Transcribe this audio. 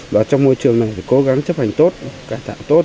và trong môi trường này phải cố gắng chấp hành tốt cải tạo tốt